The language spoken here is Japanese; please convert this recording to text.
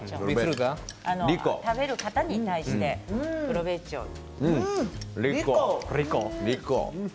食べる方に対してプロベーチョと。